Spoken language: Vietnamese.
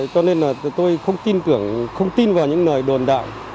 cho nên là tôi không tin vào những nơi đồn đạo